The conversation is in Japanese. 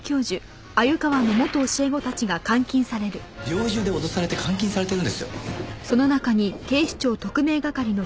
猟銃で脅されて監禁されてるんですよ。